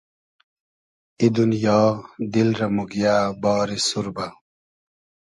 ای دونیا، دیل رۂ موگیۂ باری سوربۂ